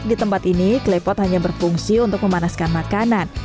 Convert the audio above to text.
di tempat ini klepot hanya berfungsi untuk memanaskan makanan